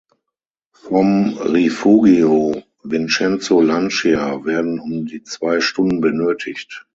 Vom Rifugio Vincenzo Lancia werden um die zwei Stunden benötigt.